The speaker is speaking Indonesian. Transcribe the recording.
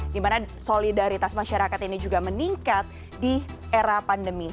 dimana solidaritas masyarakat ini juga meningkat di era pandemi